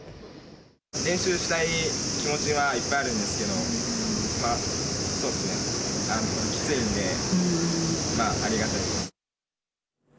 練習したい気持ちはいっぱいあるんですけど、きついんで、ありがたいです。